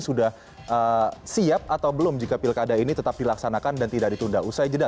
sudah siap atau belum jika pilkada ini tetap dilaksanakan dan tidak ditunda usai jeda